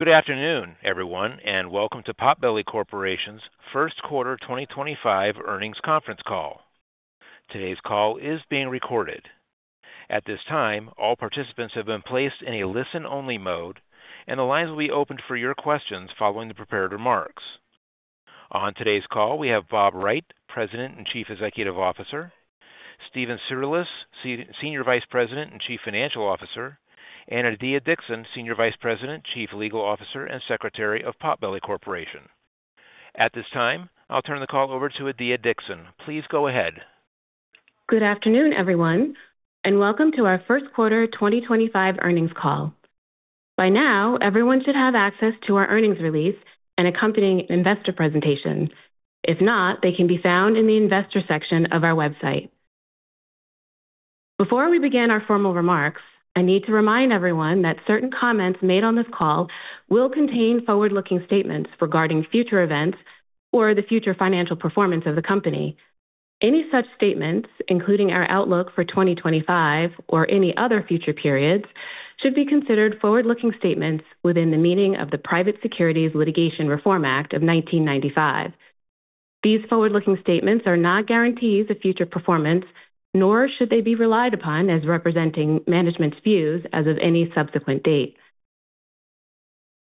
Good afternoon, everyone, and welcome to Potbelly Corporation's first quarter 2025 earnings conference call. Today's call is being recorded. At this time, all participants have been placed in a listen-only mode, and the lines will be opened for your questions following the prepared remarks. On today's call, we have Bob Wright, President and Chief Executive Officer; Steven Cirulis, Senior Vice President and Chief Financial Officer; and Adiya Dixon, Senior Vice President, Chief Legal Officer, and Secretary of Potbelly Corporation. At this time, I'll turn the call over to Adiya Dixon. Please go ahead. Good afternoon, everyone, and welcome to our first quarter 2025 earnings call. By now, everyone should have access to our earnings release and accompanying investor presentation. If not, they can be found in the investor section of our website. Before we begin our formal remarks, I need to remind everyone that certain comments made on this call will contain forward-looking statements regarding future events or the future financial performance of the company. Any such statements, including our outlook for 2025 or any other future periods, should be considered forward-looking statements within the meaning of the Private Securities Litigation Reform Act of 1995. These forward-looking statements are not guarantees of future performance, nor should they be relied upon as representing management's views as of any subsequent date.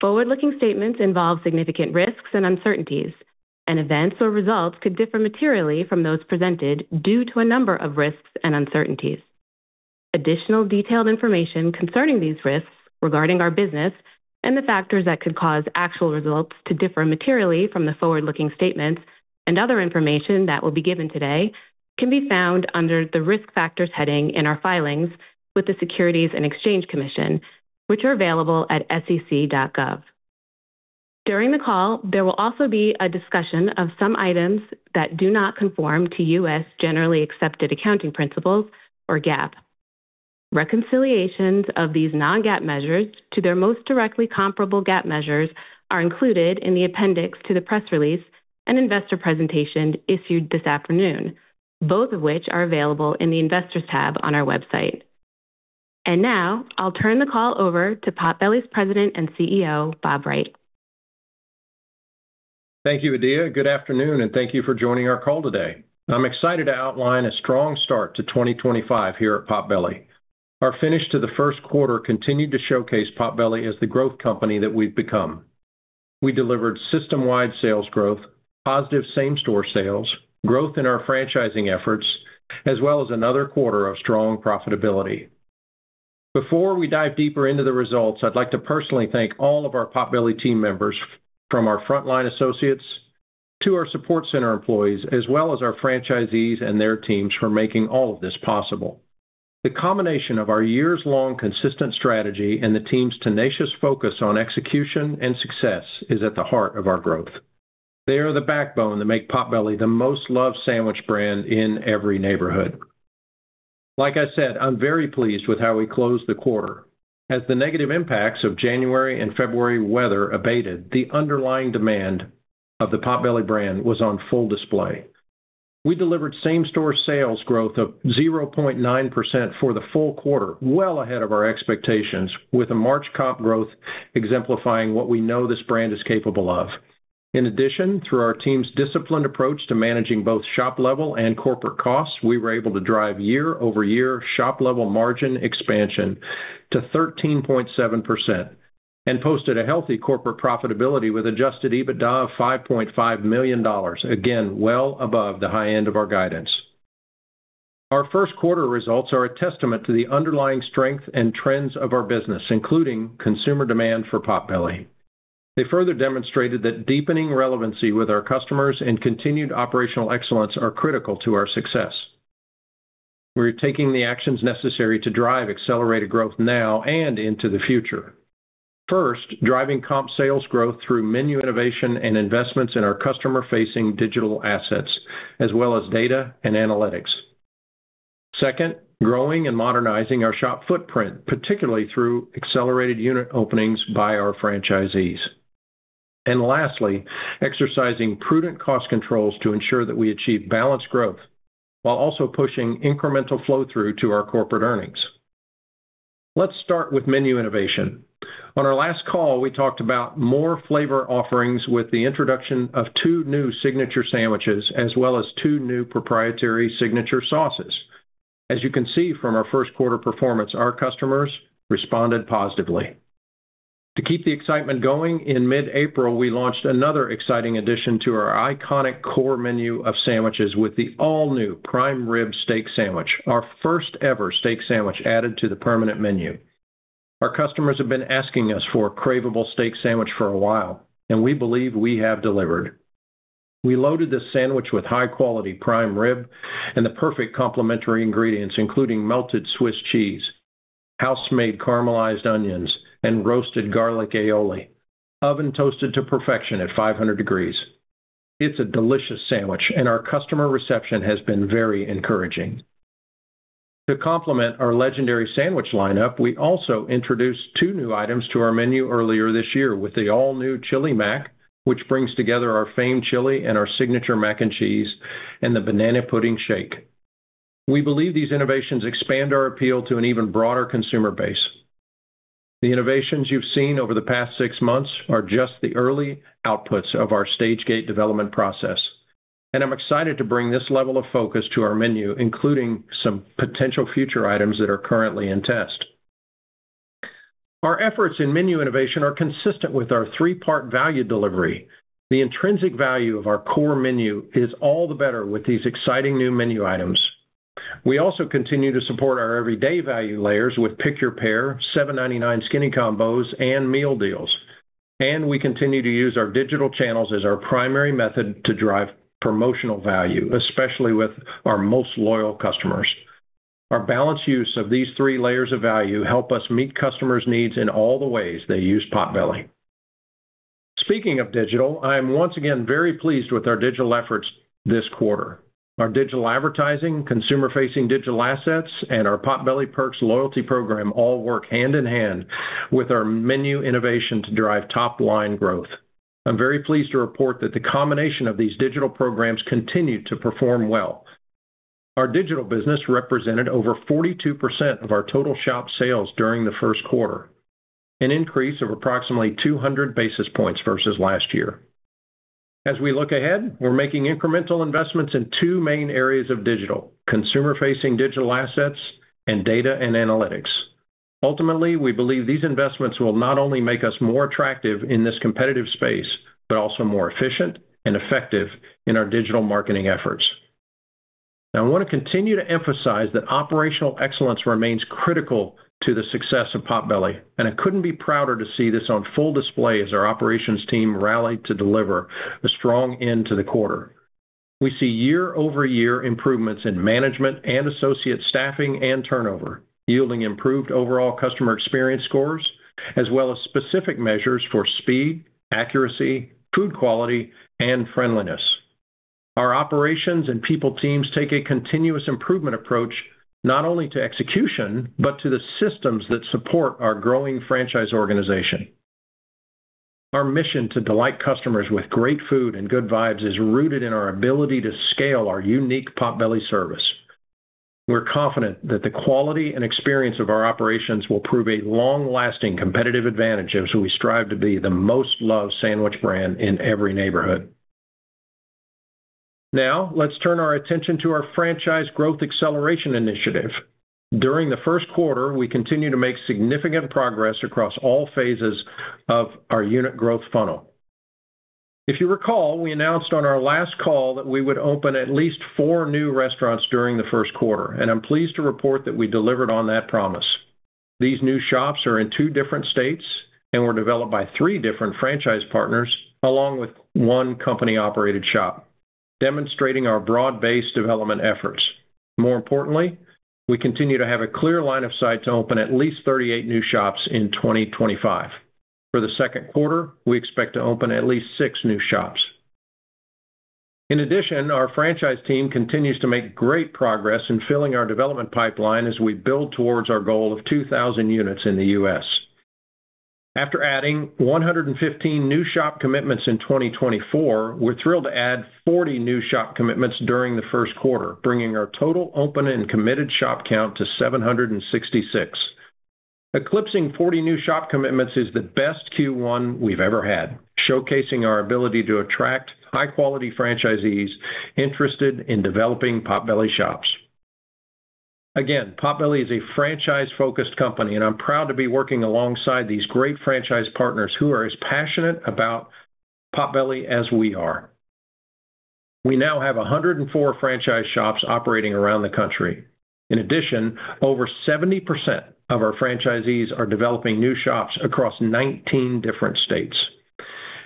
Forward-looking statements involve significant risks and uncertainties, and events or results could differ materially from those presented due to a number of risks and uncertainties. Additional detailed information concerning these risks regarding our business and the factors that could cause actual results to differ materially from the forward-looking statements and other information that will be given today can be found under the risk factors heading in our filings with the Securities and Exchange Commission, which are available at sec.gov. During the call, there will also be a discussion of some items that do not conform to U.S. generally accepted accounting principles or GAAP. Reconciliations of these non-GAAP measures to their most directly comparable GAAP measures are included in the appendix to the press release and investor presentation issued this afternoon, both of which are available in the Investors tab on our website. Now, I'll turn the call over to Potbelly's President and CEO, Bob Wright. Thank you, Adiya. Good afternoon, and thank you for joining our call today. I'm excited to outline a strong start to 2025 here at Potbelly. Our finish to the first quarter continued to showcase Potbelly as the growth company that we've become. We delivered system-wide sales growth, positive same-store sales, growth in our franchising efforts, as well as another quarter of strong profitability. Before we dive deeper into the results, I'd like to personally thank all of our Potbelly team members, from our frontline associates to our support center employees, as well as our franchisees and their teams for making all of this possible. The combination of our years-long consistent strategy and the team's tenacious focus on execution and success is at the heart of our growth. They are the backbone that make Potbelly the most loved sandwich brand in every neighborhood. Like I said, I'm very pleased with how we closed the quarter. As the negative impacts of January and February weather abated, the underlying demand of the Potbelly brand was on full display. We delivered same-store sales growth of 0.9% for the full quarter, well ahead of our expectations, with a March comp growth exemplifying what we know this brand is capable of. In addition, through our team's disciplined approach to managing both shop-level and corporate costs, we were able to drive year-over-year shop-level margin expansion to 13.7% and posted a healthy corporate profitability with adjusted EBITDA of $5.5 million, again, well above the high end of our guidance. Our first quarter results are a testament to the underlying strength and trends of our business, including consumer demand for Potbelly. They further demonstrated that deepening relevancy with our customers and continued operational excellence are critical to our success. We're taking the actions necessary to drive accelerated growth now and into the future. First, driving comp sales growth through menu innovation and investments in our customer-facing digital assets, as well as data and analytics. Second, growing and modernizing our shop footprint, particularly through accelerated unit openings by our franchisees. Lastly, exercising prudent cost controls to ensure that we achieve balanced growth while also pushing incremental flow-through to our corporate earnings. Let's start with menu innovation. On our last call, we talked about more flavor offerings with the introduction of two new signature sandwiches, as well as two new proprietary signature sauces. As you can see from our first quarter performance, our customers responded positively. To keep the excitement going, in mid-April, we launched another exciting addition to our iconic core menu of sandwiches with the all-new Prime Rib Steak Sandwich, our first-ever steak sandwich added to the permanent menu. Our customers have been asking us for a craveable steak sandwich for a while, and we believe we have delivered. We loaded this sandwich with high-quality prime rib and the perfect complementary ingredients, including melted Swiss cheese, house-made caramelized onions, and roasted garlic aioli, oven-toasted to perfection at 500 degrees. It's a delicious sandwich, and our customer reception has been very encouraging. To complement our legendary sandwich lineup, we also introduced two new items to our menu earlier this year with the all-new Chili Mac, which brings together our famed chili and our signature mac and cheese and the Banana Pudding Shake. We believe these innovations expand our appeal to an even broader consumer base. The innovations you've seen over the past six months are just the early outputs of our stage gate development process, and I'm excited to bring this level of focus to our menu, including some potential future items that are currently in test. Our efforts in menu innovation are consistent with our three-part value delivery. The intrinsic value of our core menu is all the better with these exciting new menu items. We also continue to support our everyday value layers with Pick-Your-Pair, $7.99 Skinny Combos, and meal deals, and we continue to use our digital channels as our primary method to drive promotional value, especially with our most loyal customers. Our balanced use of these three layers of value helps us meet customers' needs in all the ways they use Potbelly. Speaking of digital, I am once again very pleased with our digital efforts this quarter. Our digital advertising, consumer-facing digital assets, and our Potbelly Perks loyalty program all work hand in hand with our menu innovation to drive top-line growth. I'm very pleased to report that the combination of these digital programs continued to perform well. Our digital business represented over 42% of our total shop sales during the first quarter, an increase of approximately 200 basis points versus last year. As we look ahead, we're making incremental investments in two main areas of digital: consumer-facing digital assets and data and analytics. Ultimately, we believe these investments will not only make us more attractive in this competitive space, but also more efficient and effective in our digital marketing efforts. Now, I want to continue to emphasize that operational excellence remains critical to the success of Potbelly, and I could not be prouder to see this on full display as our operations team rallied to deliver a strong end to the quarter. We see year-over-year improvements in management and associate staffing and turnover, yielding improved overall customer experience scores, as well as specific measures for speed, accuracy, food quality, and friendliness. Our operations and people teams take a continuous improvement approach not only to execution, but to the systems that support our growing franchise organization. Our mission to delight customers with great food and good vibes is rooted in our ability to scale our unique Potbelly service. We are confident that the quality and experience of our operations will prove a long-lasting competitive advantage as we strive to be the most loved sandwich brand in every neighborhood. Now, let's turn our attention to our franchise growth acceleration initiative. During the first quarter, we continue to make significant progress across all phases of our unit growth funnel. If you recall, we announced on our last call that we would open at least four new restaurants during the first quarter, and I'm pleased to report that we delivered on that promise. These new shops are in two different states and were developed by three different franchise partners, along with one company-operated shop, demonstrating our broad-based development efforts. More importantly, we continue to have a clear line of sight to open at least 38 new shops in 2025. For the second quarter, we expect to open at least six new shops. In addition, our franchise team continues to make great progress in filling our development pipeline as we build towards our goal of 2,000 units in the U.S. After adding 115 new shop commitments in 2024, we're thrilled to add 40 new shop commitments during the first quarter, bringing our total open and committed shop count to 766. Eclipsing 40 new shop commitments is the best Q1 we've ever had, showcasing our ability to attract high-quality franchisees interested in developing Potbelly shops. Again, Potbelly is a franchise-focused company, and I'm proud to be working alongside these great franchise partners who are as passionate about Potbelly as we are. We now have 104 franchise shops operating around the country. In addition, over 70% of our franchisees are developing new shops across 19 different states.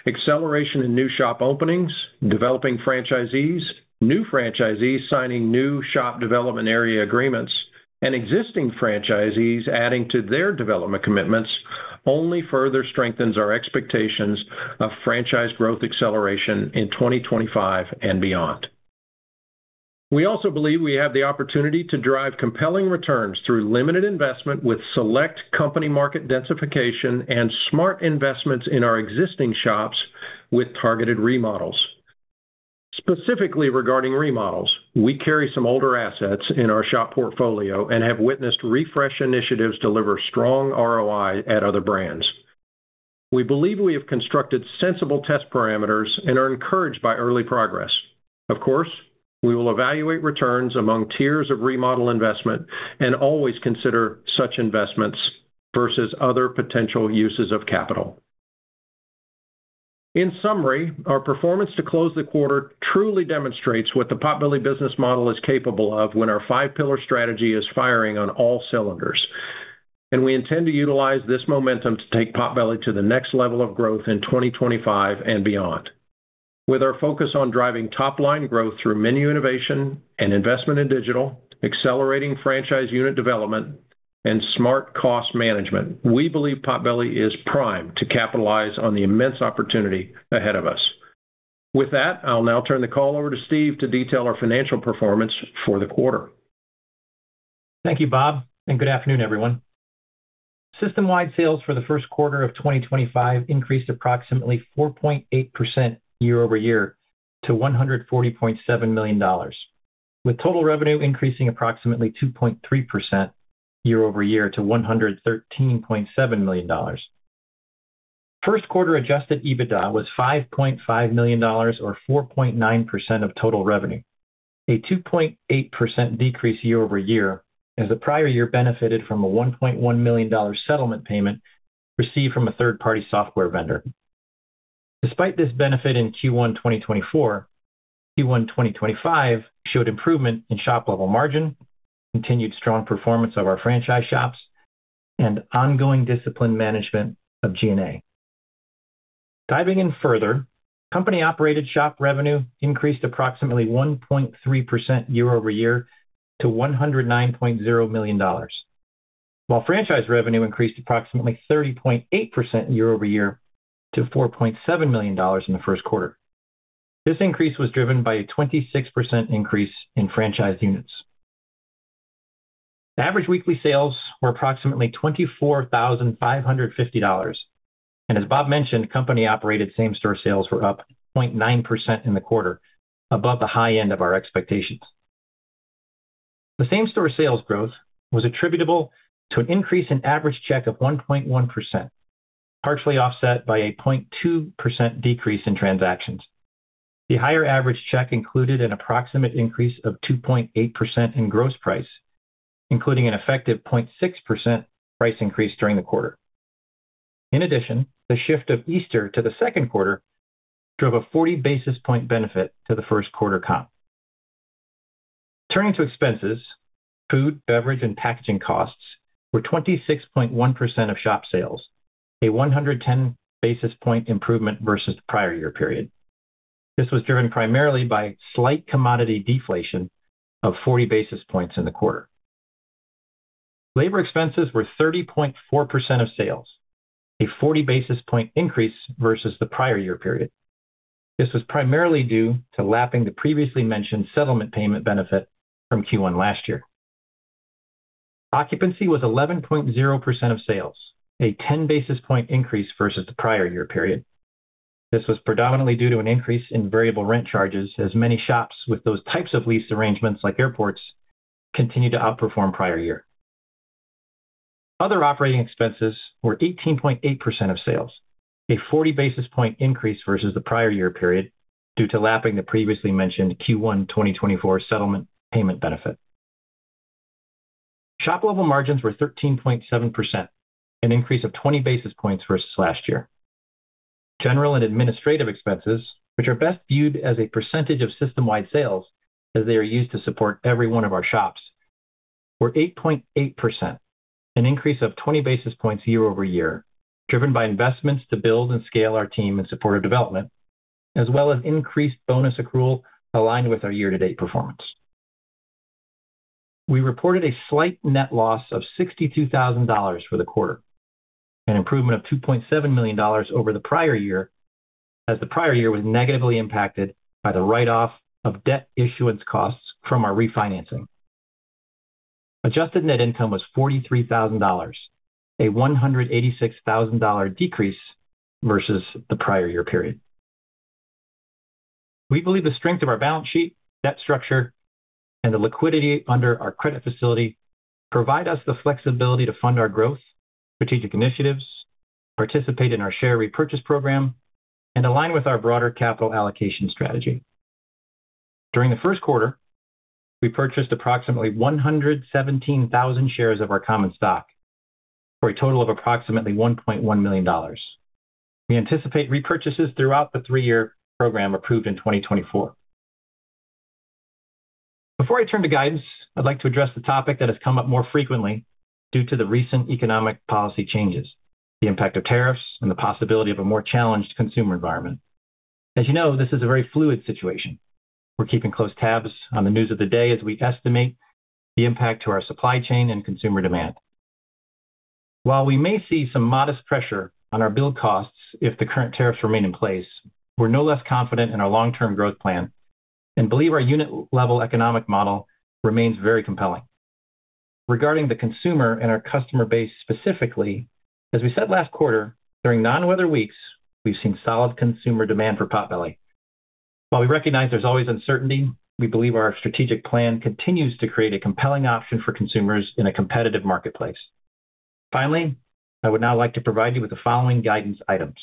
Acceleration in new shop openings, developing franchisees, new franchisees signing new shop development area agreements, and existing franchisees adding to their development commitments only further strengthens our expectations of franchise growth acceleration in 2025 and beyond. We also believe we have the opportunity to drive compelling returns through limited investment with select company market densification and smart investments in our existing shops with targeted remodels. Specifically regarding remodels, we carry some older assets in our shop portfolio and have witnessed refresh initiatives deliver strong ROI at other brands. We believe we have constructed sensible test parameters and are encouraged by early progress. Of course, we will evaluate returns among tiers of remodel investment and always consider such investments versus other potential uses of capital. In summary, our performance to close the quarter truly demonstrates what the Potbelly business model is capable of when our five-pillar strategy is firing on all cylinders, and we intend to utilize this momentum to take Potbelly to the next level of growth in 2025 and beyond. With our focus on driving top-line growth through menu innovation and investment in digital, accelerating franchise unit development, and smart cost management, we believe Potbelly is primed to capitalize on the immense opportunity ahead of us. With that, I'll now turn the call over to Steve to detail our financial performance for the quarter. Thank you, Bob, and good afternoon, everyone. System-wide sales for the first quarter of 2025 increased approximately 4.8% year-over-year to $140.7 million, with total revenue increasing approximately 2.3% year-over-year to $113.7 million. First quarter adjusted EBITDA was $5.5 million, or 4.9% of total revenue, a 2.8% decrease year-over-year, as the prior year benefited from a $1.1 million settlement payment received from a third-party software vendor. Despite this benefit in Q1 2024, Q1 2025 showed improvement in shop-level margin, continued strong performance of our franchise shops, and ongoing discipline management of G&A. Diving in further, company-operated shop revenue increased approximately 1.3% year-over-year to $109.0 million, while franchise revenue increased approximately 30.8% year-over-year to $4.7 million in the first quarter. This increase was driven by a 26% increase in franchise units. Average weekly sales were approximately $24,550, and as Bob mentioned, company-operated same-store sales were up 0.9% in the quarter, above the high end of our expectations. The same-store sales growth was attributable to an increase in average check of 1.1%, partially offset by a 0.2% decrease in transactions. The higher average check included an approximate increase of 2.8% in gross price, including an effective 0.6% price increase during the quarter. In addition, the shift of Easter to the second quarter drove a 40 basis point benefit to the first quarter comp. Turning to expenses, food, beverage, and packaging costs were 26.1% of shop sales, a 110 basis point improvement versus the prior year period. This was driven primarily by slight commodity deflation of 40 basis points in the quarter. Labor expenses were 30.4% of sales, a 40 basis point increase versus the prior year period. This was primarily due to lapping the previously mentioned settlement payment benefit from Q1 last year. Occupancy was 11.0% of sales, a 10 basis point increase versus the prior year period. This was predominantly due to an increase in variable rent charges, as many shops with those types of lease arrangements, like airports, continued to outperform prior year. Other operating expenses were 18.8% of sales, a 40 basis point increase versus the prior year period due to lapping the previously mentioned Q1 2024 settlement payment benefit. Shop-level margins were 13.7%, an increase of 20 basis points versus last year. General and administrative expenses, which are best viewed as a percentage of system-wide sales as they are used to support every one of our shops, were 8.8%, an increase of 20 basis points year-over-year, driven by investments to build and scale our team in support of development, as well as increased bonus accrual aligned with our year-to-date performance. We reported a slight net loss of $62,000 for the quarter, an improvement of $2.7 million over the prior year, as the prior year was negatively impacted by the write-off of debt issuance costs from our refinancing. Adjusted net income was $43,000, a $186,000 decrease versus the prior year period. We believe the strength of our balance sheet, debt structure, and the liquidity under our credit facility provide us the flexibility to fund our growth, strategic initiatives, participate in our share repurchase program, and align with our broader capital allocation strategy. During the first quarter, we purchased approximately 117,000 shares of our common stock, for a total of approximately $1.1 million. We anticipate repurchases throughout the three-year program approved in 2024. Before I turn to guidance, I'd like to address the topic that has come up more frequently due to the recent economic policy changes, the impact of tariffs, and the possibility of a more challenged consumer environment. As you know, this is a very fluid situation. We're keeping close tabs on the news of the day as we estimate the impact to our supply chain and consumer demand. While we may see some modest pressure on our build costs if the current tariffs remain in place, we're no less confident in our long-term growth plan and believe our unit-level economic model remains very compelling. Regarding the consumer and our customer base specifically, as we said last quarter, during non-weather weeks, we've seen solid consumer demand for Potbelly. While we recognize there's always uncertainty, we believe our strategic plan continues to create a compelling option for consumers in a competitive marketplace. Finally, I would now like to provide you with the following guidance items.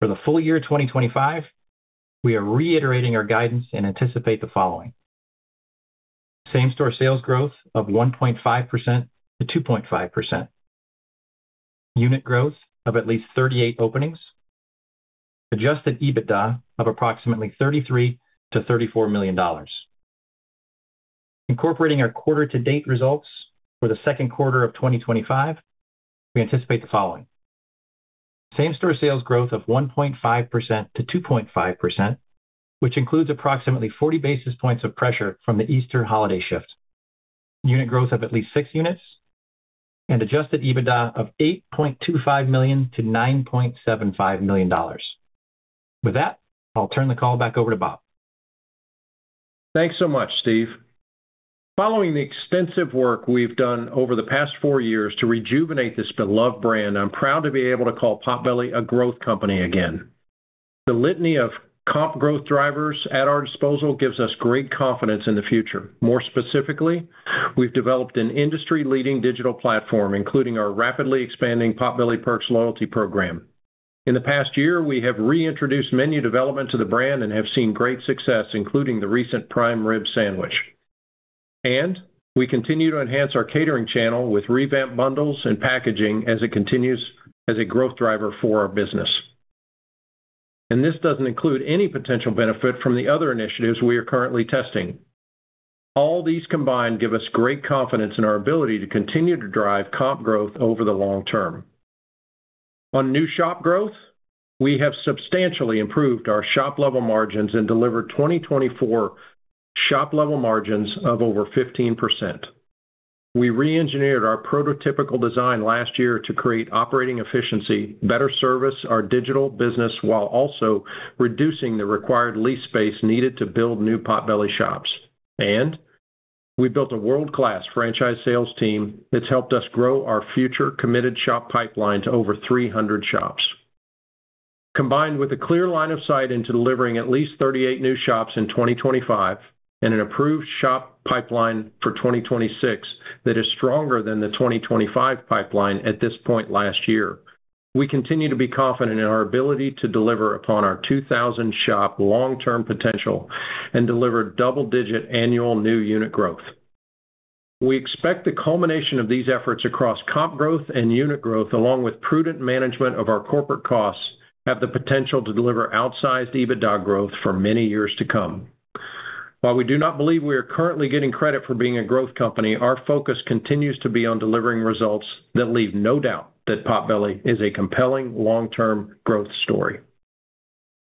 For the full year 2025, we are reiterating our guidance and anticipate the following: same-store sales growth of 1.5%-2.5%, unit growth of at least 38 openings, adjusted EBITDA of approximately $33-$34 million. Incorporating our quarter-to-date results for the second quarter of 2025, we anticipate the following: same-store sales growth of 1.5%-2.5%, which includes approximately 40 basis points of pressure from the Easter holiday shift, unit growth of at least 6 units, and adjusted EBITDA of $8.25 million-$9.75 million. With that, I'll turn the call back over to Bob. Thanks so much, Steve. Following the extensive work we've done over the past four years to rejuvenate this beloved brand, I'm proud to be able to call Potbelly a growth company again. The litany of comp growth drivers at our disposal gives us great confidence in the future. More specifically, we've developed an industry-leading digital platform, including our rapidly expanding Potbelly Perks loyalty program. In the past year, we have reintroduced menu development to the brand and have seen great success, including the recent Prime Rib Steak Sandwich. We continue to enhance our catering channel with revamped bundles and packaging as it continues as a growth driver for our business. This does not include any potential benefit from the other initiatives we are currently testing. All these combined give us great confidence in our ability to continue to drive comp growth over the long-term. On new shop growth, we have substantially improved our shop-level margins and delivered 2024 shop-level margins of over 15%. We re-engineered our prototypical design last year to create operating efficiency, better service our digital business, while also reducing the required lease space needed to build new Potbelly shops. We built a world-class franchise sales team that's helped us grow our future committed shop pipeline to over 300 shops. Combined with a clear line of sight into delivering at least 38 new shops in 2025 and an approved shop pipeline for 2026 that is stronger than the 2025 pipeline at this point last year, we continue to be confident in our ability to deliver upon our 2,000-shop long-term potential and deliver double-digit annual new unit growth. We expect the culmination of these efforts across comp growth and unit growth, along with prudent management of our corporate costs, to have the potential to deliver outsized EBITDA growth for many years to come. While we do not believe we are currently getting credit for being a growth company, our focus continues to be on delivering results that leave no doubt that Potbelly is a compelling long-term growth story.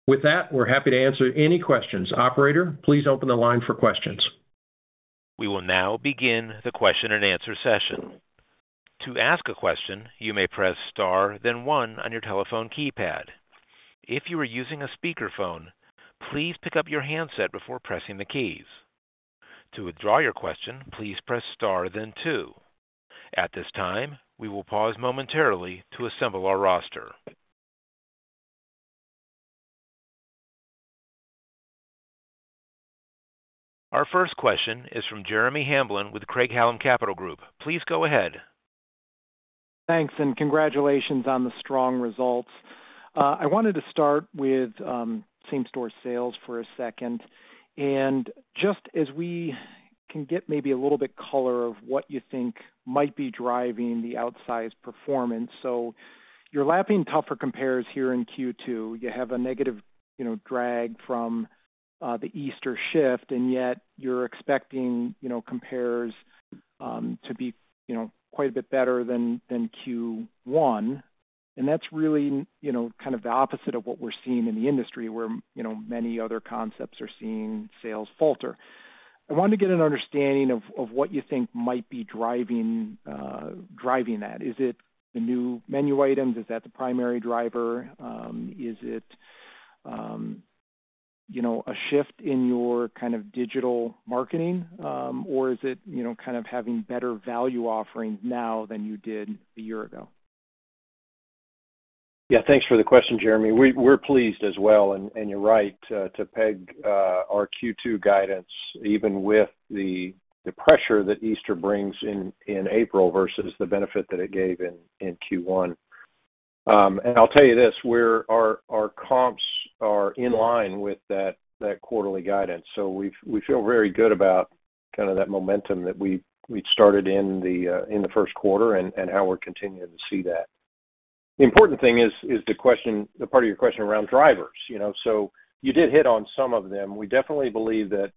With that, we're happy to answer any questions. Operator, please open the line for questions. We will now begin the question-and-answer session. To ask a question, you may press star, then one on your telephone keypad. If you are using a speakerphone, please pick up your handset before pressing the keys. To withdraw your question, please press star, then two. At this time, we will pause momentarily to assemble our roster. Our first question is from Jeremy Hamblin with Craig-Hallum Capital Group. Please go ahead. Thanks, and congratulations on the strong results. I wanted to start with same-store sales for a second. Just as we can get maybe a little bit color of what you think might be driving the outsized performance, you are lapping tougher compares here in Q2. You have a negative drag from the Easter shift, yet you are expecting compares to be quite a bit better than Q1. That is really kind of the opposite of what we are seeing in the industry, where many other concepts are seeing sales falter. I wanted to get an understanding of what you think might be driving that. Is it the new menu items? Is that the primary driver? Is it a shift in your kind of digital marketing, or is it kind of having better value offerings now than you did a year ago? Yeah, thanks for the question, Jeremy. We're pleased as well, and you're right to peg our Q2 guidance, even with the pressure that Easter brings in April versus the benefit that it gave in Q1. I'll tell you this, our comps are in line with that quarterly guidance. We feel very good about kind of that momentum that we started in the first quarter and how we're continuing to see that. The important thing is the part of your question around drivers. You did hit on some of them. We definitely believe that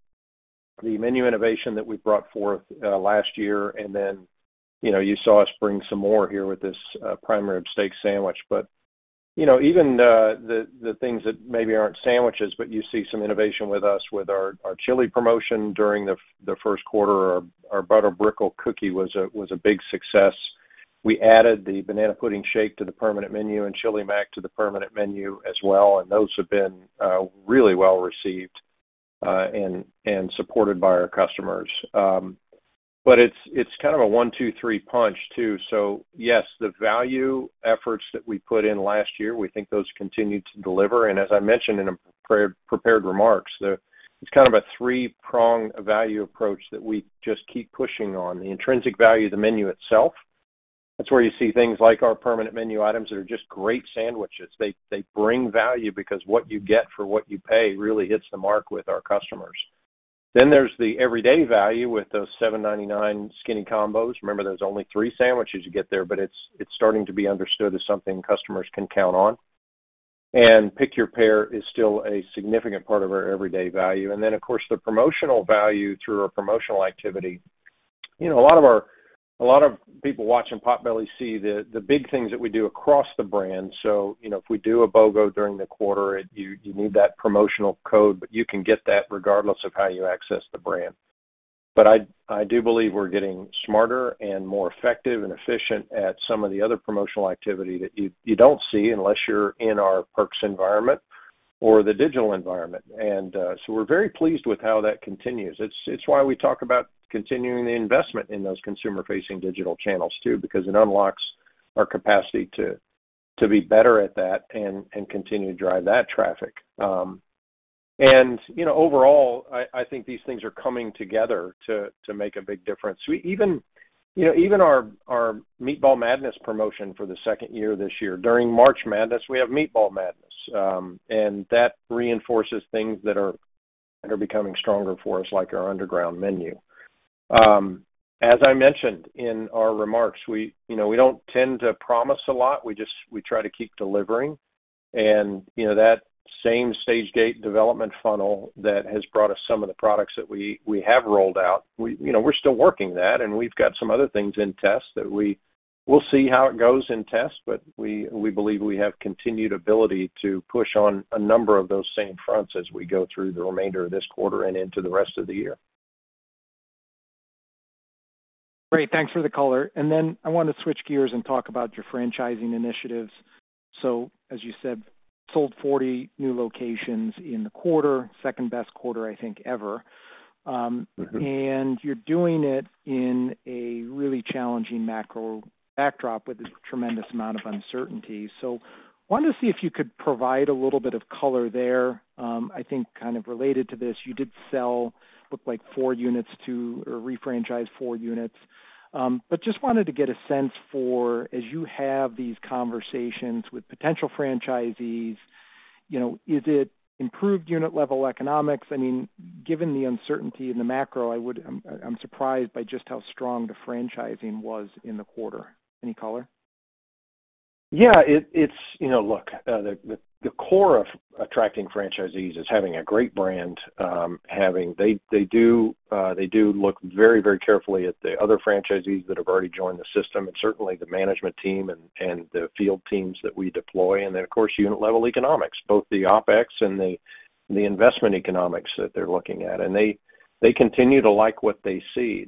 the menu innovation that we brought forth last year, and then you saw us bring some more here with this Prime Rib Steak Sandwich. Even the things that maybe aren't sandwiches, but you see some innovation with us with our chili promotion during the first quarter, our Butter-Brickle Cookie was a big success. We added the Banana Pudding Shake to the permanent menu and Chili Mac to the permanent menu as well, and those have been really well received and supported by our customers. It is kind of a one, two, three punch too. Yes, the value efforts that we put in last year, we think those continue to deliver. As I mentioned in prepared remarks, it is kind of a three-pronged value approach that we just keep pushing on. The intrinsic value of the menu itself, that is where you see things like our permanent menu items that are just great sandwiches. They bring value because what you get for what you pay really hits the mark with our customers. There is the everyday value with those $7.99 Skinny Combos. Remember, there are only three sandwiches you get there, but it is starting to be understood as something customers can count on. Pick-Your-Pair is still a significant part of our everyday value. Of course, the promotional value through our promotional activity. A lot of people watching Potbelly see the big things that we do across the brand. If we do a BOGO during the quarter, you need that promotional code, but you can get that regardless of how you access the brand. I do believe we're getting smarter and more effective and efficient at some of the other promotional activity that you do not see unless you're in our Perks environment or the digital environment. We are very pleased with how that continues. It is why we talk about continuing the investment in those consumer-facing digital channels too, because it unlocks our capacity to be better at that and continue to drive that traffic. Overall, I think these things are coming together to make a big difference. Even our Meatball Madness promotion for the second year this year. During March Madness, we have Meatball Madness. That reinforces things that are becoming stronger for us, like our Underground Menu. As I mentioned in our remarks, we do not tend to promise a lot. We try to keep delivering. That same Stage Gate development funnel that has brought us some of the products that we have rolled out, we are still working that, and we have got some other things in test that we will see how it goes in test. We believe we have continued ability to push on a number of those same fronts as we go through the remainder of this quarter and into the rest of the year. Great. Thanks for the color. I want to switch gears and talk about your franchising initiatives. As you said, sold 40 new locations in the quarter, second-best quarter, I think, ever. You are doing it in a really challenging macro backdrop with a tremendous amount of uncertainty. I wanted to see if you could provide a little bit of color there. I think kind of related to this, you did sell, looked like four units to or refranchised four units. I just wanted to get a sense for, as you have these conversations with potential franchisees, is it improved unit-level economics? I mean, given the uncertainty in the macro, I am surprised by just how strong the franchising was in the quarter. Any color? Yeah. Look, the core of attracting franchisees is having a great brand. They do look very, very carefully at the other franchisees that have already joined the system and certainly the management team and the field teams that we deploy. Of course, unit-level economics, both the OpEx and the investment economics that they're looking at. They continue to like what they see.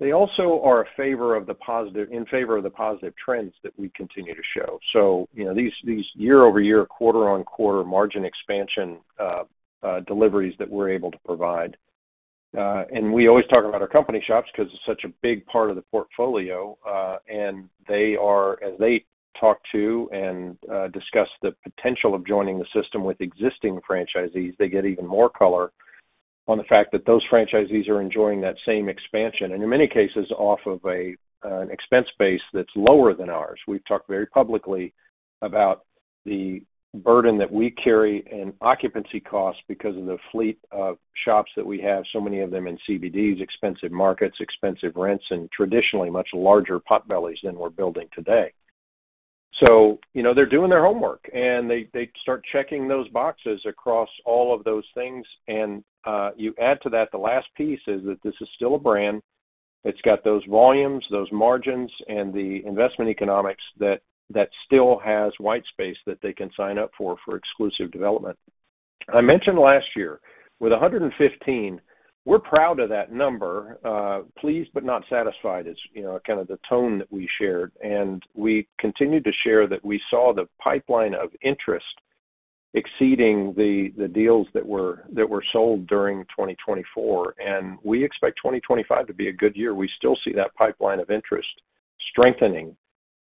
They also are in favor of the positive trends that we continue to show. These year-over-year, quarter-on-quarter margin expansion deliveries that we're able to provide. We always talk about our company shops because it's such a big part of the portfolio. As they talk to and discuss the potential of joining the system with existing franchisees, they get even more color on the fact that those franchisees are enjoying that same expansion. In many cases, off of an expense base that's lower than ours. We've talked very publicly about the burden that we carry in occupancy costs because of the fleet of shops that we have, so many of them in CBDs, expensive markets, expensive rents, and traditionally much larger Potbellies than we're building today. They're doing their homework, and they start checking those boxes across all of those things. You add to that the last piece is that this is still a brand. It's got those volumes, those margins, and the investment economics that still has white space that they can sign up for exclusive development. I mentioned last year, with 115, we're proud of that number, pleased but not satisfied, is kind of the tone that we shared. We continue to share that we saw the pipeline of interest exceeding the deals that were sold during 2024. We expect 2025 to be a good year. We still see that pipeline of interest strengthening.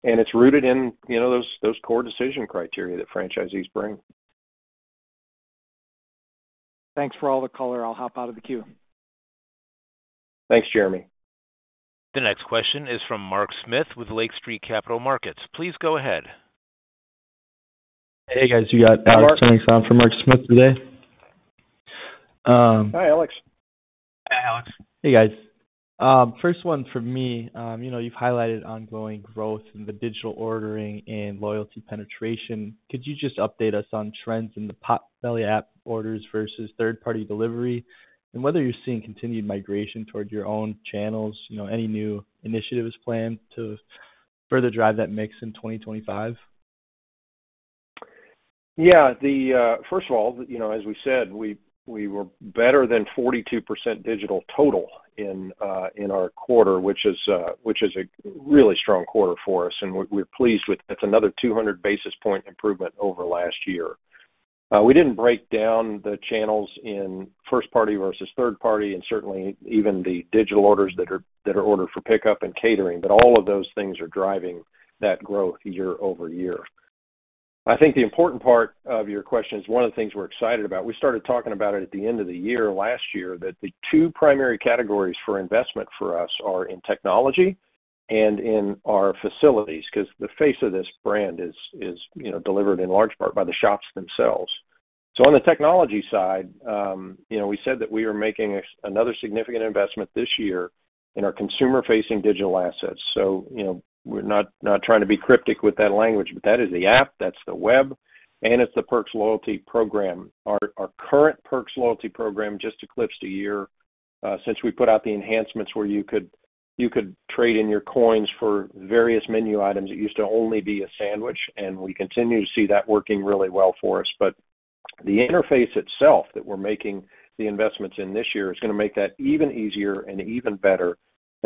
It is rooted in those core decision criteria that franchisees bring. Thanks for all the color. I'll hop out of the queue. Thanks, Jeremy. The next question is from Mark Smith with Lake Street Capital Markets. Please go ahead. Hey, guys. You got Tony Pham for Mark Smith today. Hi, Alex. Hey, Alex. Hey, guys. First one for me, you've highlighted ongoing growth in the digital ordering and loyalty penetration. Could you just update us on trends in the Potbelly app orders versus third-party delivery and whether you're seeing continued migration toward your own channels? Any new initiatives planned to further drive that mix in 2025? Yeah. First of all, as we said, we were better than 42% digital total in our quarter, which is a really strong quarter for us. We are pleased with that. It is another 200 basis point improvement over last year. We did not break down the channels in first-party versus third-party and certainly even the digital orders that are ordered for pickup and catering. All of those things are driving that growth year over year. I think the important part of your question is one of the things we are excited about. We started talking about it at the end of the year last year, that the two primary categories for investment for us are in technology and in our facilities because the face of this brand is delivered in large part by the shops themselves. On the technology side, we said that we are making another significant investment this year in our consumer-facing digital assets. We're not trying to be cryptic with that language, but that is the app. That's the web. And it's the Perks Loyalty Program. Our current Perks Loyalty Program just eclipsed a year since we put out the enhancements where you could trade in your coins for various menu items. It used to only be a sandwich, and we continue to see that working really well for us. The interface itself that we're making the investments in this year is going to make that even easier and even better.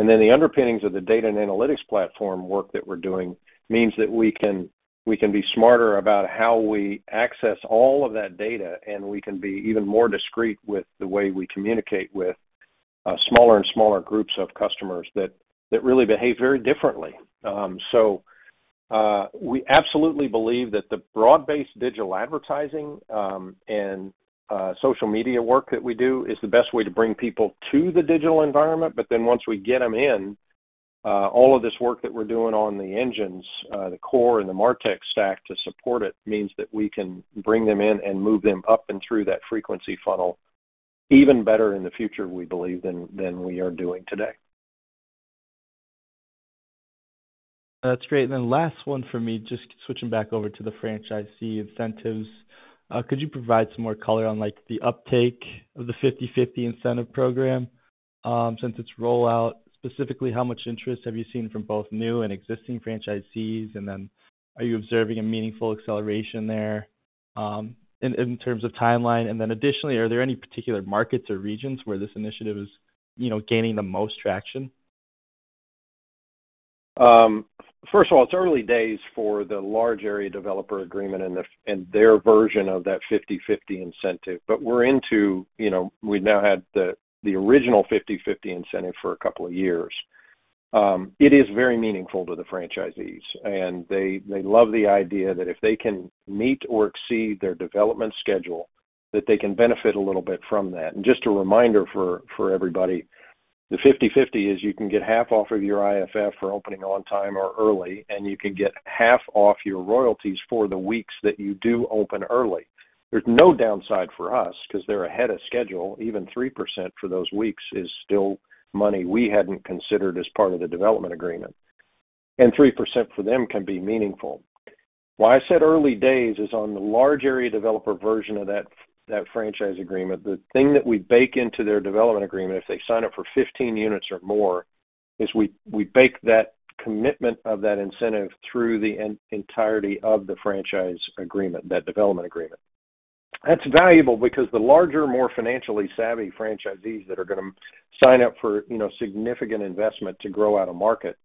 The underpinnings of the data and analytics platform work that we're doing means that we can be smarter about how we access all of that data, and we can be even more discreet with the way we communicate with smaller and smaller groups of customers that really behave very differently. We absolutely believe that the broad-based digital advertising and social media work that we do is the best way to bring people to the digital environment. Once we get them in, all of this work that we're doing on the engines, the core and the MarTech stack to support it means that we can bring them in and move them up and through that frequency funnel even better in the future, we believe, than we are doing today. That's great. Last one for me, just switching back over to the franchisee incentives. Could you provide some more color on the uptake of the 50/50 incentive program since its rollout? Specifically, how much interest have you seen from both new and existing franchisees? Are you observing a meaningful acceleration there in terms of timeline? Additionally, are there any particular markets or regions where this initiative is gaining the most traction? First of all, it's early days for the large area developer agreement and their version of that 50/50 incentive. We're into, we now had the original 50/50 incentive for a couple of years. It is very meaningful to the franchisees. They love the idea that if they can meet or exceed their development schedule, they can benefit a little bit from that. Just a reminder for everybody, the 50/50 is you can get half off of your IFF for opening on time or early, and you can get half off your royalties for the weeks that you do open early. There's no downside for us because they're ahead of schedule. Even 3% for those weeks is still money we hadn't considered as part of the development agreement. 3% for them can be meaningful. Why I said early days is on the large area developer version of that franchise agreement, the thing that we bake into their development agreement, if they sign up for 15 units or more, is we bake that commitment of that incentive through the entirety of the franchise agreement, that development agreement. That's valuable because the larger, more financially savvy franchisees that are going to sign up for significant investment to grow out of market,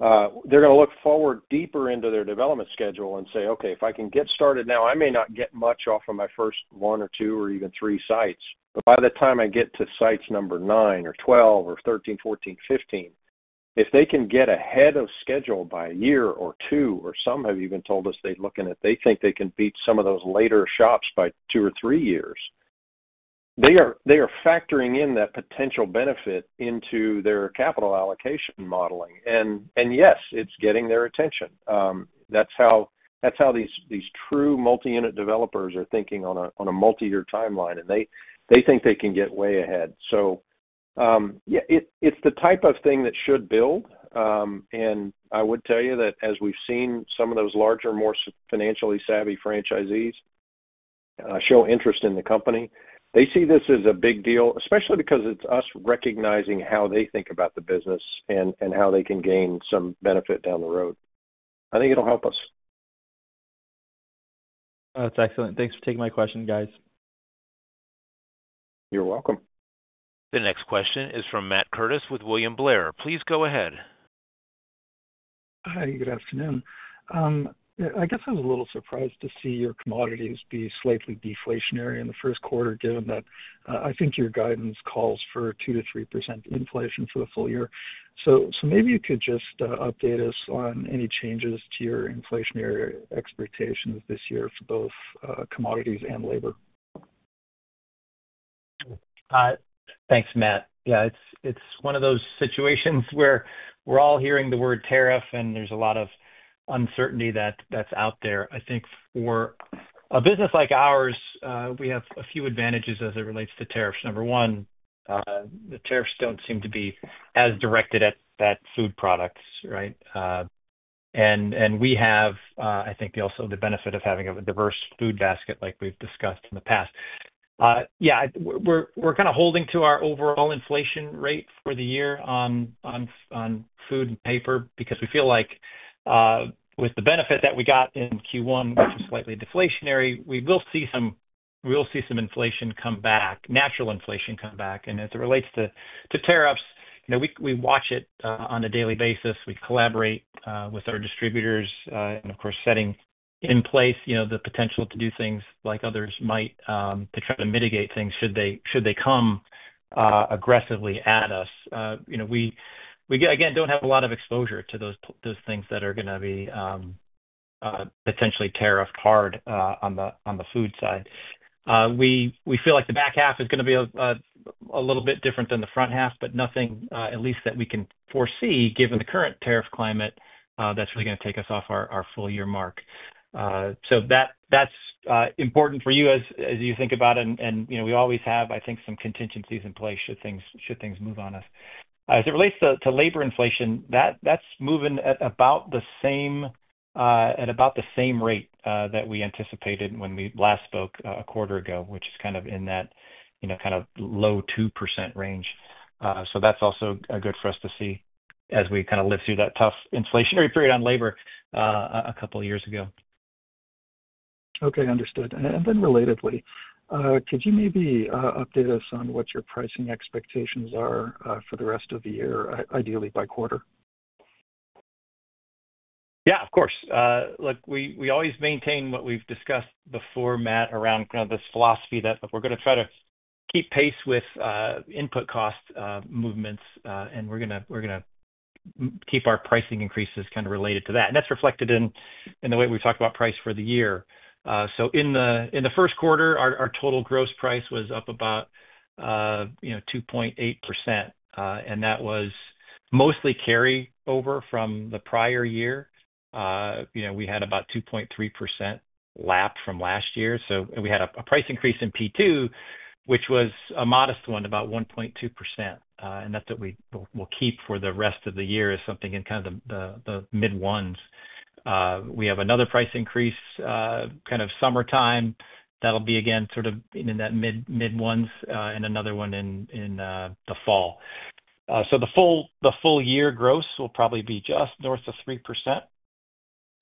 they're going to look forward deeper into their development schedule and say, "Okay, if I can get started now, I may not get much off of my first one or two or even three sites. By the time I get to sites number 9 or 12 or 13, 14, 15, if they can get ahead of schedule by a year or two, or some have even told us they are looking at, they think they can beat some of those later shops by two or three years. They are factoring in that potential benefit into their capital allocation modeling. Yes, it is getting their attention. That is how these true multi-unit developers are thinking on a multi-year timeline. They think they can get way ahead. Yeah, it is the type of thing that should build. I would tell you that as we have seen some of those larger, more financially savvy franchisees show interest in the company, they see this as a big deal, especially because it is us recognizing how they think about the business and how they can gain some benefit down the road. I think it'll help us. That's excellent. Thanks for taking my question, guys. You're welcome. The next question is from Matt Curtis with William Blair. Please go ahead. Hi, good afternoon. I guess I was a little surprised to see your commodities be slightly deflationary in the first quarter, given that I think your guidance calls for 2%-3% inflation for the full year. Maybe you could just update us on any changes to your inflationary expectations this year for both commodities and labor. Thanks, Matt. Yeah, it's one of those situations where we're all hearing the word tariff, and there's a lot of uncertainty that's out there. I think for a business like ours, we have a few advantages as it relates to tariffs. Number one, the tariffs don't seem to be as directed at food products, right? And we have, I think, also the benefit of having a diverse food basket like we've discussed in the past. Yeah, we're kind of holding to our overall inflation rate for the year on food and paper because we feel like with the benefit that we got in Q1, which was slightly deflationary, we will see some inflation come back, natural inflation come back. As it relates to tariffs, we watch it on a daily basis. We collaborate with our distributors and, of course, setting in place the potential to do things like others might to try to mitigate things should they come aggressively at us. We, again, do not have a lot of exposure to those things that are going to be potentially tariffed hard on the food side. We feel like the back half is going to be a little bit different than the front half, but nothing, at least, that we can foresee given the current tariff climate that is really going to take us off our full-year mark. That is important for you as you think about it. We always have, I think, some contingencies in place should things move on us. As it relates to labor inflation, that's moving at about the same rate that we anticipated when we last spoke a quarter ago, which is kind of in that low 2% range. That's also good for us to see as we kind of live through that tough inflationary period on labor a couple of years ago. Okay, understood. And then relatedly, could you maybe update us on what your pricing expectations are for the rest of the year, ideally by quarter? Yeah, of course. Look, we always maintain what we've discussed before, Matt, around this philosophy that we're going to try to keep pace with input cost movements, and we're going to keep our pricing increases kind of related to that. That's reflected in the way we've talked about price for the year. In the first quarter, our total gross price was up about 2.8%. That was mostly carryover from the prior year. We had about 2.3% lap from last year. We had a price increase in P2, which was a modest one, about 1.2%. That's what we'll keep for the rest of the year as something in kind of the mid-ones. We have another price increase kind of summertime. That'll be, again, sort of in that mid-ones and another one in the fall. The full-year gross will probably be just north of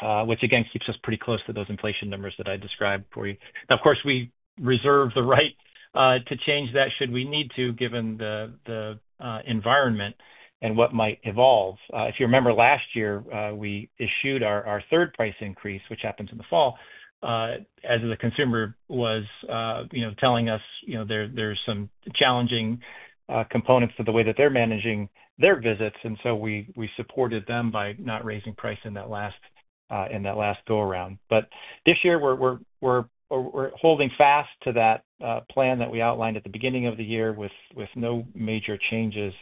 3%, which, again, keeps us pretty close to those inflation numbers that I described for you. Now, of course, we reserve the right to change that should we need to, given the environment and what might evolve. If you remember last year, we issued our third price increase, which happened in the fall, as the consumer was telling us there's some challenging components to the way that they're managing their visits. We supported them by not raising price in that last go-around. This year, we're holding fast to that plan that we outlined at the beginning of the year with no major changes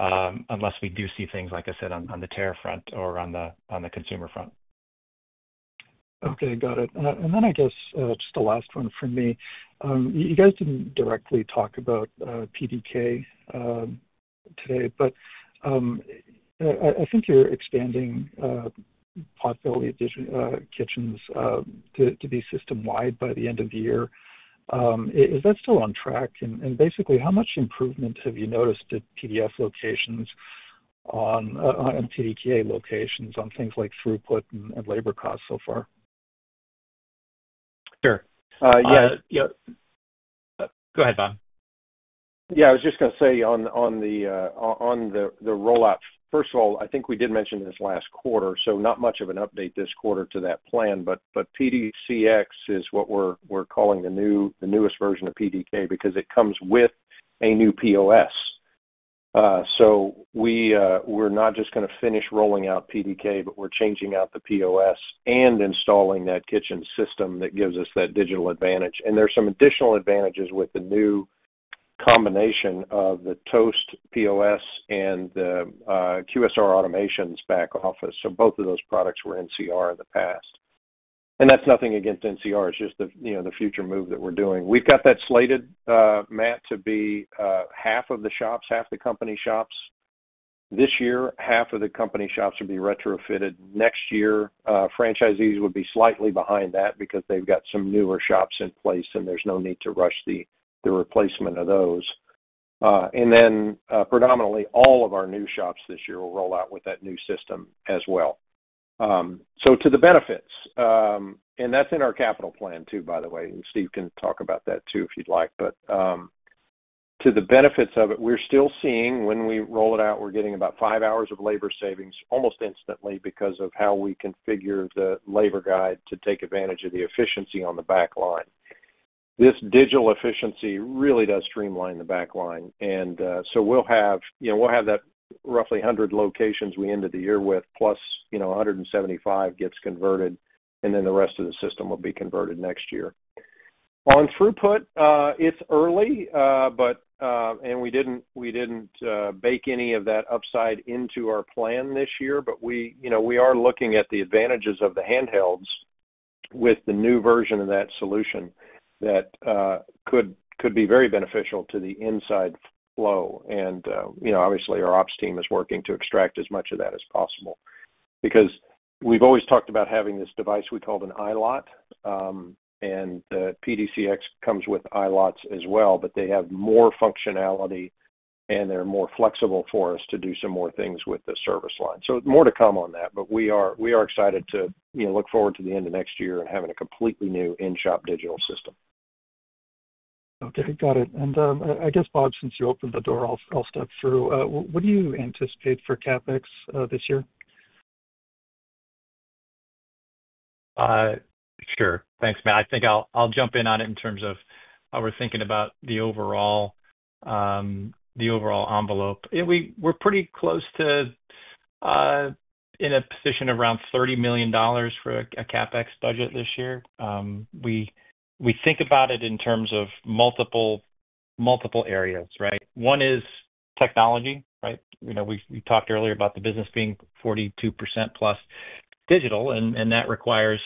unless we do see things, like I said, on the tariff front or on the consumer front. Okay, got it. I guess just the last one for me. You guys did not directly talk about PDK today, but I think you are expanding Potbelly Digital Kitchen to be system-wide by the end of the year. Is that still on track? Basically, how much improvement have you noticed at PDK locations on things like throughput and labor costs so far? Sure. Yeah. Go ahead, Bob. Yeah, I was just going to say on the rollout, first of all, I think we did mention this last quarter. Not much of an update this quarter to that plan. PDCX is what we're calling the newest version of PDK because it comes with a new POS. We're not just going to finish rolling out PDK, but we're changing out the POS and installing that kitchen system that gives us that digital advantage. There are some additional advantages with the new combination of the Toast POS and the QSR automations back office. Both of those products were NCR in the past. That's nothing against NCR. It's just the future move that we're doing. We've got that slated, Matt, to be half of the shops, half the company shops. This year, half of the company shops will be retrofitted. Next year, franchisees would be slightly behind that because they've got some newer shops in place, and there's no need to rush the replacement of those. Predominantly, all of our new shops this year will roll out with that new system as well. To the benefits, and that's in our capital plan too, by the way. Steve can talk about that too if you'd like. To the benefits of it, we're still seeing when we roll it out, we're getting about five hours of labor savings almost instantly because of how we configure the labor guide to take advantage of the efficiency on the back line. This digital efficiency really does streamline the back line. We'll have that roughly 100 locations we end the year with, +175 gets converted, and then the rest of the system will be converted next year. On throughput, it's early, and we didn't bake any of that upside into our plan this year. We are looking at the advantages of the handhelds with the new version of that solution that could be very beneficial to the inside flow. Obviously, our ops team is working to extract as much of that as possible because we've always talked about having this device we call an iLot. The PDCX comes with iLots as well, but they have more functionality, and they're more flexible for us to do some more things with the service line. More to come on that. We are excited to look forward to the end of next year and having a completely new in-shop digital system. Okay, got it. I guess, Bob, since you opened the door, I'll step through. What do you anticipate for CapEx this year? Sure. Thanks, Matt. I think I'll jump in on it in terms of how we're thinking about the overall envelope. We're pretty close to in a position of around $30 million for a CapEx budget this year. We think about it in terms of multiple areas, right? One is technology, right? We talked earlier about the business being 42%+ digital, and that requires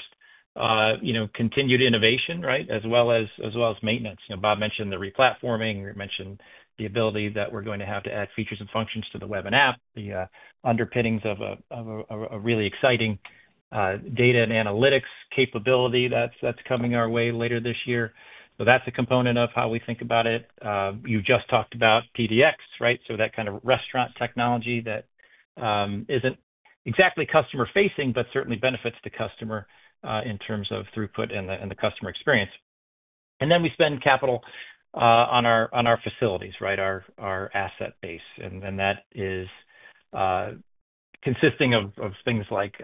continued innovation, right, as well as maintenance. Bob mentioned the replatforming. We mentioned the ability that we're going to have to add features and functions to the web and app, the underpinnings of a really exciting data and analytics capability that's coming our way later this year. That's a component of how we think about it. You just talked about PDK, right? That kind of restaurant technology that isn't exactly customer-facing, but certainly benefits the customer in terms of throughput and the customer experience. We spend capital on our facilities, right, our asset base. That is consisting of things like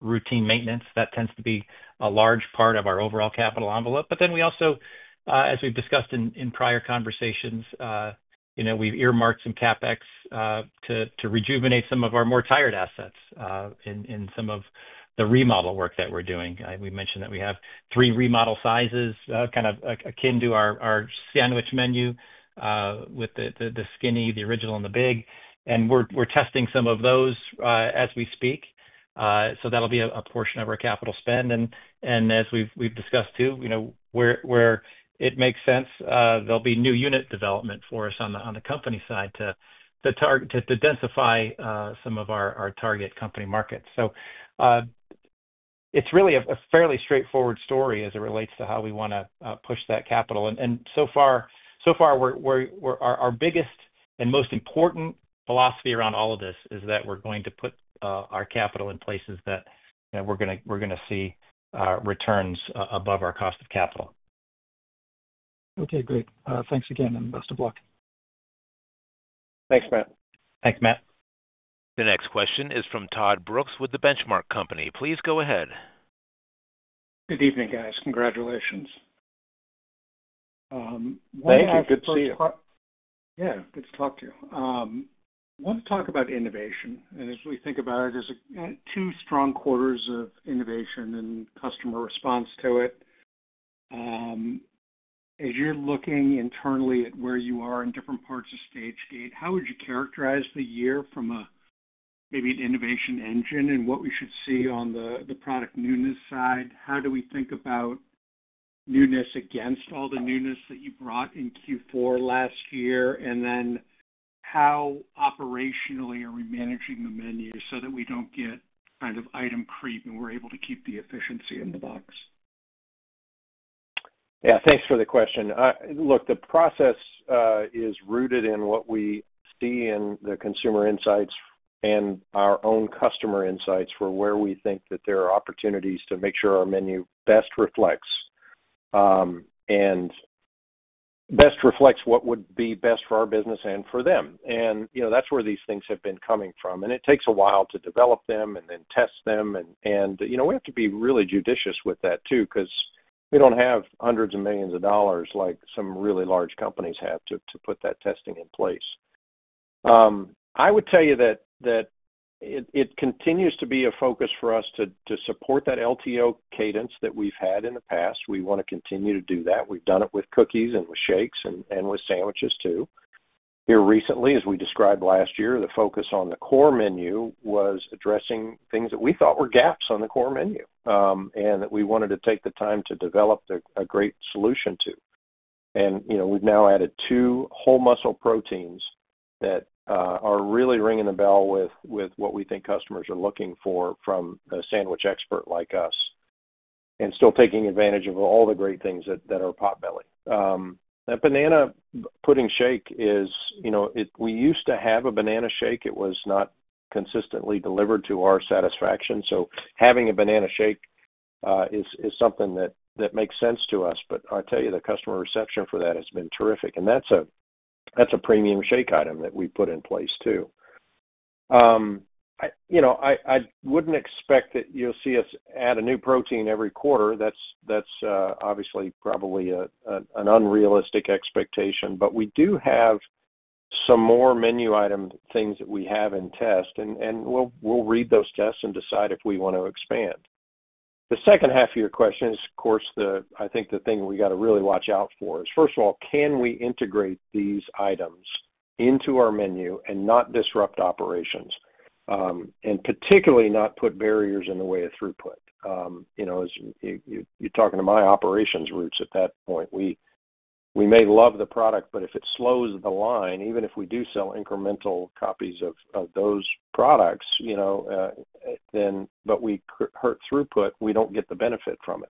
routine maintenance. That tends to be a large part of our overall capital envelope. We also, as we've discussed in prior conversations, have earmarked some CapEx to rejuvenate some of our more tired assets in some of the remodel work that we're doing. We mentioned that we have three remodel sizes, kind of akin to our sandwich menu with the skinny, the original, and the big. We're testing some of those as we speak. That will be a portion of our capital spend. As we've discussed too, where it makes sense, there will be new unit development for us on the company side to densify some of our target company markets. It is really a fairly straightforward story as it relates to how we want to push that capital. So far, our biggest and most important philosophy around all of this is that we are going to put our capital in places that we are going to see returns above our cost of capital. Okay, great. Thanks again, and best of luck. Thanks, Matt. The next question is from Todd Brooks with the Benchmark Company. Please go ahead. Good evening, guys. Congratulations. Thank you. Good to see you. Yeah, good to talk to you. I want to talk about innovation. As we think about it, there's two strong quarters of innovation and customer response to it. As you're looking internally at where you are in different parts of Stage Gate, how would you characterize the year from maybe an innovation engine and what we should see on the product newness side? How do we think about newness against all the newness that you brought in Q4 last year? How operationally are we managing the menu so that we don't get kind of item creep and we're able to keep the efficiency in the box? Yeah, thanks for the question. Look, the process is rooted in what we see in the consumer insights and our own customer insights for where we think that there are opportunities to make sure our menu best reflects and best reflects what would be best for our business and for them. That is where these things have been coming from. It takes a while to develop them and then test them. We have to be really judicious with that too because we do not have hundreds of millions of dollars like some really large companies have to put that testing in place. I would tell you that it continues to be a focus for us to support that LTO cadence that we have had in the past. We want to continue to do that. We have done it with cookies and with shakes and with sandwiches too. Here recently, as we described last year, the focus on the core menu was addressing things that we thought were gaps on the core menu and that we wanted to take the time to develop a great solution to. We have now added two whole muscle proteins that are really ringing the bell with what we think customers are looking for from a sandwich expert like us and still taking advantage of all the great things that are Potbelly. That Banana Pudding Shake is, we used to have a banana shake. It was not consistently delivered to our satisfaction. Having a banana shake is something that makes sense to us. I'll tell you, the customer reception for that has been terrific. That is a premium shake item that we put in place too. I would not expect that you'll see us add a new protein every quarter. That's obviously probably an unrealistic expectation. But we do have some more menu item things that we have in test. And we'll read those tests and decide if we want to expand. The second half of your question is, of course, I think the thing we got to really watch out for is, first of all, can we integrate these items into our menu and not disrupt operations and particularly not put barriers in the way of throughput? You're talking to my operations roots at that point. We may love the product, but if it slows the line, even if we do sell incremental copies of those products, but we hurt throughput, we don't get the benefit from it.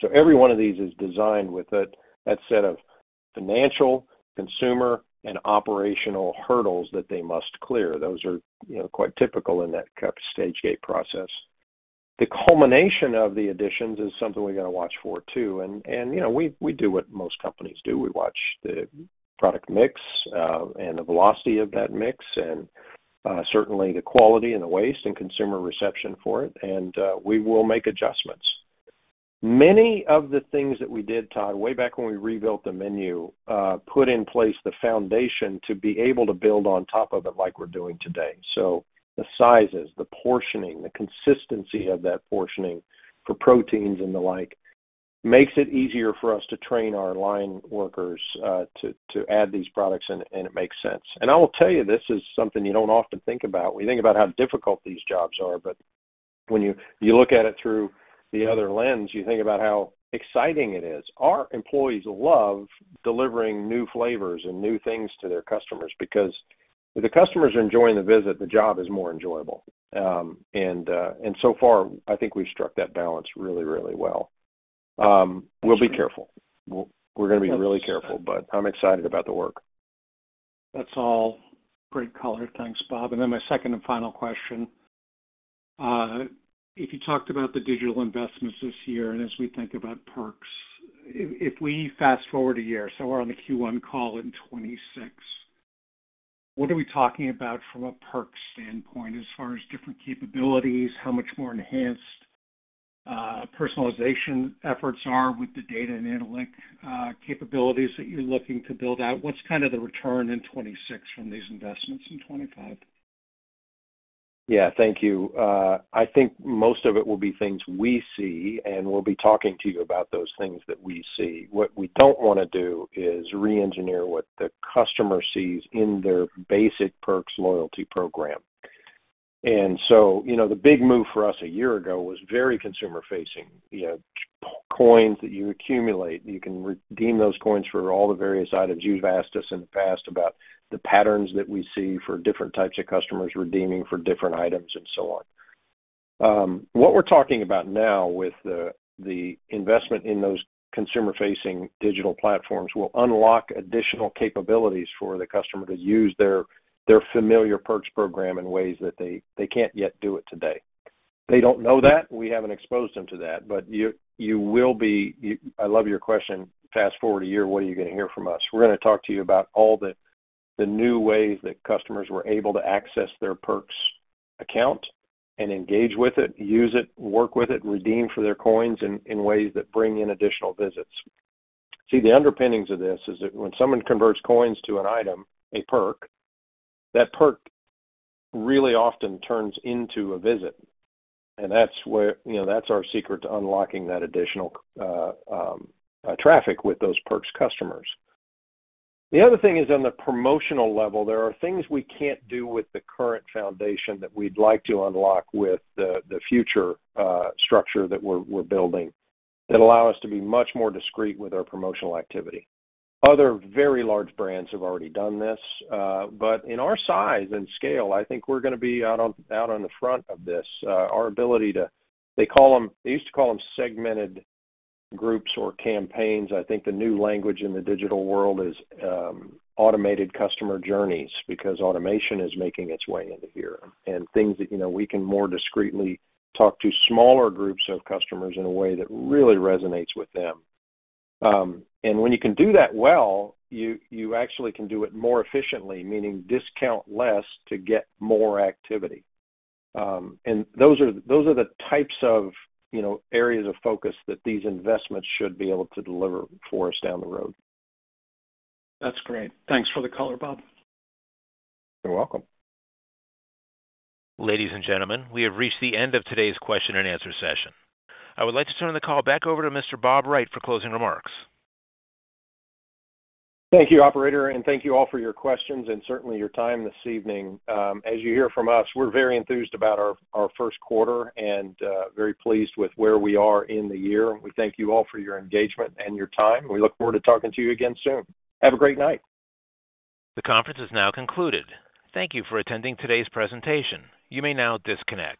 So every one of these is designed with that set of financial, consumer, and operational hurdles that they must clear. Those are quite typical in that Stage Gate process. The culmination of the additions is something we got to watch for too. We do what most companies do. We watch the product mix and the velocity of that mix and certainly the quality and the waste and consumer reception for it. We will make adjustments. Many of the things that we did, Todd, way back when we rebuilt the menu, put in place the foundation to be able to build on top of it like we're doing today. The sizes, the portioning, the consistency of that portioning for proteins and the like makes it easier for us to train our line workers to add these products, and it makes sense. I will tell you, this is something you don't often think about. When you think about how difficult these jobs are, but when you look at it through the other lens, you think about how exciting it is. Our employees love delivering new flavors and new things to their customers because if the customers are enjoying the visit, the job is more enjoyable. So far, I think we've struck that balance really, really well. We'll be careful. We're going to be really careful, but I'm excited about the work. That's all great color. Thanks, Bob. My second and final question. You talked about the digital investments this year and as we think about perks, if we fast forward a year, so we are on the Q1 call in 2026, what are we talking about from a perk standpoint as far as different capabilities, how much more enhanced personalization efforts are with the data and analytic capabilities that you are looking to build out? What is kind of the return in 2026 from these investments in 2025? Yeah, thank you. I think most of it will be things we see, and we'll be talking to you about those things that we see. What we don't want to do is re-engineer what the customer sees in their basic Perks loyalty program. The big move for us a year ago was very consumer-facing. Coins that you accumulate, you can redeem those coins for all the various items. You've asked us in the past about the patterns that we see for different types of customers redeeming for different items and so on. What we're talking about now with the investment in those consumer-facing digital platforms will unlock additional capabilities for the customer to use their familiar Perks program in ways that they can't yet do it today. They don't know that. We haven't exposed them to that. You will be—I love your question. Fast forward a year, what are you going to hear from us? We're going to talk to you about all the new ways that customers were able to access their perks account and engage with it, use it, work with it, redeem for their coins in ways that bring in additional visits. The underpinnings of this is that when someone converts coins to an item, a perk, that perk really often turns into a visit. That's our secret to unlocking that additional traffic with those perks customers. The other thing is on the promotional level, there are things we can't do with the current foundation that we'd like to unlock with the future structure that we're building that allow us to be much more discreet with our promotional activity. Other very large brands have already done this. In our size and scale, I think we're going to be out on the front of this. Our ability to—they used to call them segmented groups or campaigns. I think the new language in the digital world is automated customer journeys because automation is making its way into here. Things that we can more discreetly talk to smaller groups of customers in a way that really resonates with them. When you can do that well, you actually can do it more efficiently, meaning discount less to get more activity. Those are the types of areas of focus that these investments should be able to deliver for us down the road. That's great. Thanks for the color, Bob. You're welcome. Ladies and gentlemen, we have reached the end of today's question and answer session. I would like to turn the call back over to Mr. Bob Wright for closing remarks. Thank you, Operator, and thank you all for your questions and certainly your time this evening. As you hear from us, we're very enthused about our first quarter and very pleased with where we are in the year. We thank you all for your engagement and your time. We look forward to talking to you again soon. Have a great night. The conference is now concluded. Thank you for attending today's presentation. You may now disconnect.